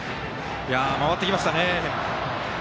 回ってきましたね。